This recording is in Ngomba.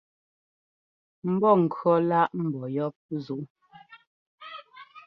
Mbɔ́kʉ̈ laʼ mbɔ́ yɔ́p zuʼú.